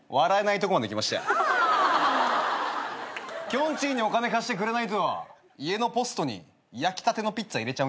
きょんちぃにお金貸してくれないと家のポストに焼きたてのピッツァ入れちゃうよ。